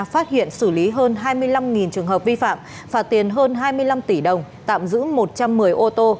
phát hiện xử lý hơn hai mươi năm trường hợp vi phạm phạt tiền hơn hai mươi năm tỷ đồng tạm giữ một trăm một mươi ô tô